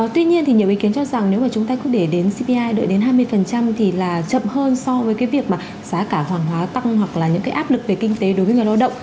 tuy nhiên thì nhiều ý kiến cho rằng nếu mà chúng ta cứ để đến cpi đợi đến hai mươi thì là chậm hơn so với cái việc mà giá cả hàng hóa tăng hoặc là những cái áp lực về kinh tế đối với người lao động